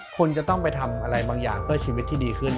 คุณจะต้องไปทำอะไรบางอย่างเพื่อชีวิตที่ดีขึ้น